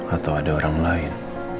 atau ada orang lain